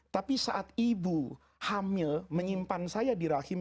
tapi saat ibu hamil menyimpan saya di tengah tengah ini